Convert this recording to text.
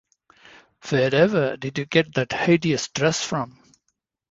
Wherever did you get that hideous dress from?